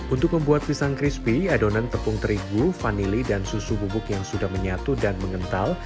untuk membuat pisang crispy adonan tepung terigu vanili dan susu bubuk yang sudah menyatu dan mengental